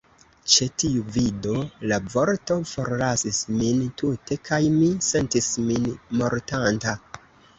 Ĉe tiu vido, la forto forlasis min tute, kaj mi sentis min mortanta.